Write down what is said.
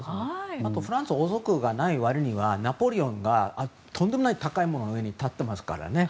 あとはフランスは王族がない割にはナポレオンがとんでもない高いものの上に立ってますからね。